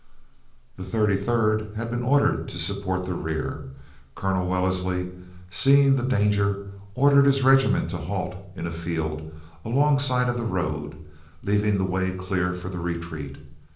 The Thirty Third had been ordered to support the rear. Colonel Wellesley, seeing the danger, ordered his regiment to halt in a field alongside of the road, leaving the way clear for the retreat.